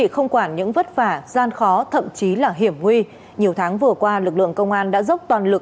không quản những vất vả gian khó thậm chí là hiểm nguy nhiều tháng vừa qua lực lượng công an đã dốc toàn lực